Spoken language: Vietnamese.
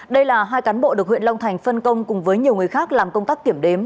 đây là hai cán bộ được huyện long thành phân công cùng với nhiều người khác làm công tác kiểm đếm